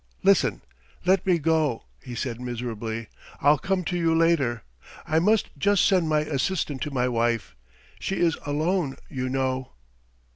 "Listen let me go," he said miserably. "I'll come to you later. I must just send my assistant to my wife. She is alone, you know!"